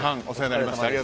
お世話になりました